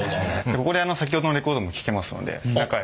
ここで先ほどのレコードも聴けますので中へ。